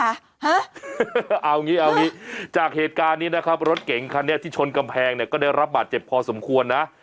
เอางี้เอางี้จากเหตุการณ์นี้นะครับรถเก๋งคันนี้ที่ชนกำแพงเนี่ยก็ได้รับบาดเจ็บพอสมควรนะ